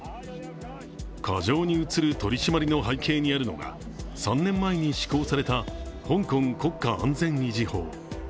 過剰に映る取り締まりの背景にあるのが、３年前に施行された香港国家安全維持法。